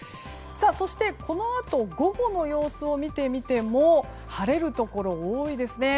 そして、このあと午後の様子を見てみても晴れるところが多いですね。